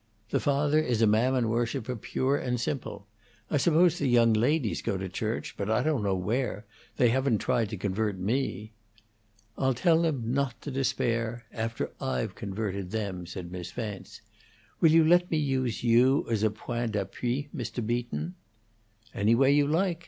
"The father is a Mammon worshipper, pure and simple. I suppose the young ladies go to church, but I don't know where. They haven't tried to convert me." "I'll tell them not to despair after I've converted them," said Miss Vance. "Will you let me use you as a 'point d'appui', Mr. Beaton?" "Any way you like.